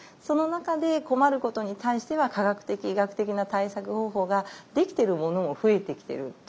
その中で困ることに対しては科学的・医学的な対策方法ができてるものも増えてきてる。